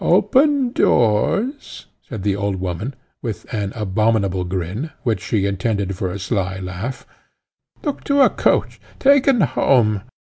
"Open doors!" said the old woman with an abominable grin, which she intended for a sly laugh "Look to a coach! taken home!